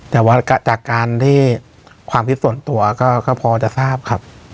แต่ว่าจากการที่ความคิดส่วนตัวก็พอจะทราบครับ